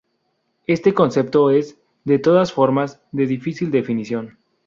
Este concepto es, de todas formas, de difícil definición.